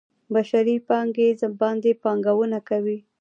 بشري پانګې باندې پانګونه کوي.